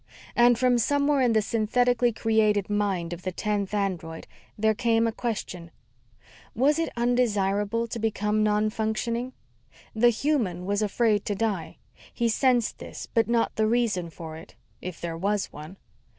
And from somewhere in the synthetically created mind of the tenth android there came a question: Was it undesirable to become nonfunctioning? The human was afraid to die. He sensed this but not the reason for it, if there was one.